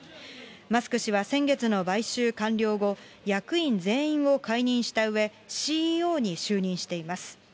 マスク氏は先月の買収完了後、役員全員を解任したうえ、ＣＥＯに就任しています。